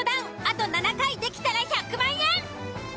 あと７回できたら１００万円。